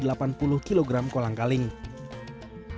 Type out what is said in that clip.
setelah dikotong pohon pohon aren dikotong ke dalam kuali